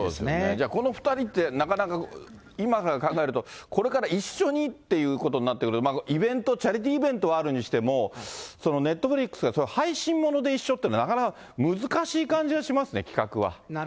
じゃあこの２人って、なかなか今から考えると、これから一緒にっていうことになってくると、イベント、チャリティーイベントはあるにしても、ネットフリックス、それ配信もので一緒っていうのは、なかなか難しい感じがしますね、企画は。